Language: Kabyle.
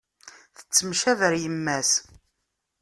Tettemcabi ɣer yemma-s.